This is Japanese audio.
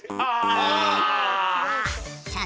ああ！